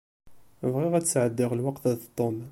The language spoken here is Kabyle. Bɣiɣ ad sεeddiɣ lweqt d Tom.